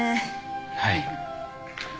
はい。